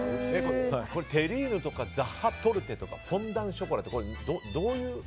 テリーヌとかザッハトルテとかフォンダンショコラってどういう。